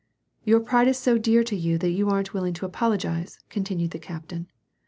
" Your pride is so dear to you that you aren't willing t<» apologize," continued the captain.